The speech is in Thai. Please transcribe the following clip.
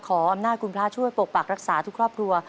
ขออำนาจคุณพระช่วยปกปักรักษาทุกครอบครัว